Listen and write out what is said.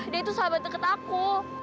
dia tuh sahabat deket aku